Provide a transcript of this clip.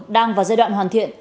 đang vào giai đoạn hoàn thiện